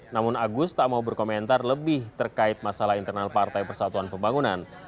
namun agus tak mau berkomentar lebih terkait masalah internal partai persatuan pembangunan